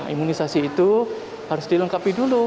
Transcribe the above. imunisasi itu harus dilengkapi dulu